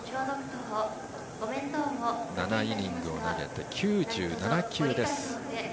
７イニングを投げて９７球です。